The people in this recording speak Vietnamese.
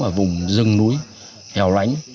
ở vùng rừng núi hèo ránh